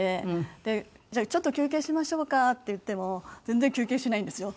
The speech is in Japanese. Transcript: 「ちょっと休憩しましょうか」って言っても全然休憩しないんですよ。